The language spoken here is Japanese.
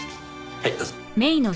はいどうぞ。